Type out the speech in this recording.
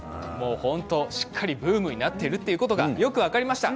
しっかりブームになっているということがよく分かりました。